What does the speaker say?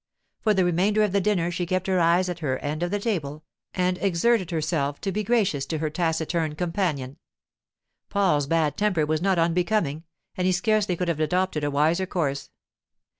For the remainder of the dinner she kept her eyes at her end of the table, and exerted herself to be gracious to her taciturn companion. Paul's bad temper was not unbecoming, and he scarcely could have adopted a wiser course.